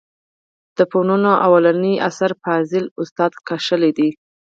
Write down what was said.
د فنونو اولنى اثر فاضل استاد کښلى دئ.